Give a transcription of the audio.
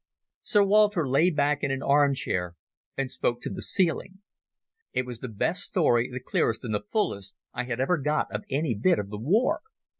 Sir Walter lay back in an arm chair and spoke to the ceiling. It was the best story, the clearest and the fullest, I had ever got of any bit of the war.